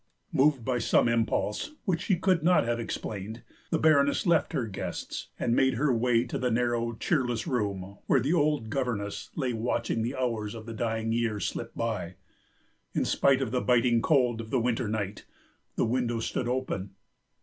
Moved by some impulse which she could not have explained, the Baroness left her guests and made her way to the narrow, cheerless room where the old governess lay watching the hours of the dying year slip by. In spite of the biting cold of the winter night, the window stood open.